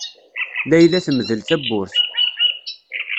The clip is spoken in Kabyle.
Layla temdel tawwurt.